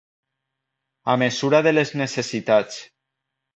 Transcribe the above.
A mesura de les necessitats.